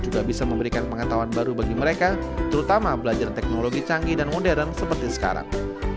juga bisa memberikan pengetahuan baru bagi mereka terutama belajar teknologi canggih dan modern seperti sekarang